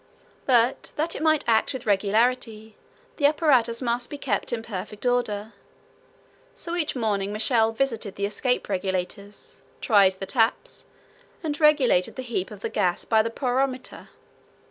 But that it might act with regularity, the apparatus must be kept in perfect order; so each morning Michel visited the escape regulators, tried the taps, and regulated the heat of the gas by the pyrometer.